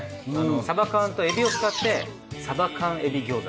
サバ缶とエビを使ってサバ缶エビ餃子。